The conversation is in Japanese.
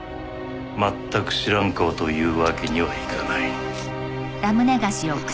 全く知らん顔というわけにはいかない。